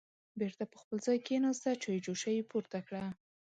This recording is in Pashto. بېرته په خپل ځای کېناسته، چایجوش یې پورته کړه